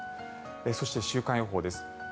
そして、週間予報です。